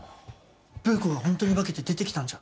ブー子がホントに化けて出てきたんじゃ？